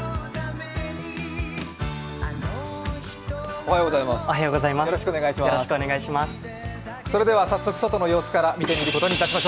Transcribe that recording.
おはようございます。